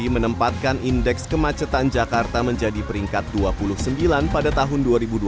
menempatkan indeks kemacetan jakarta menjadi peringkat dua puluh sembilan pada tahun dua ribu dua puluh